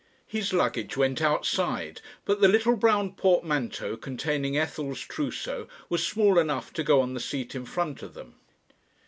His luggage went outside, but the little brown portmanteau containing Ethel's trousseau was small enough to go on the seat in front of them.